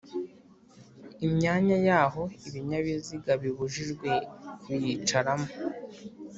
Imyanya y’aho ibinyabiziga bibujijwe kuyicaramo